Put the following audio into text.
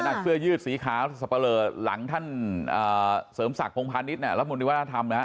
เสื้อยืดสีขาวสับปะเลอหลังท่านเสริมศักดิ์พงพาณิชย์รัฐมนตรีวัฒนธรรมนะฮะ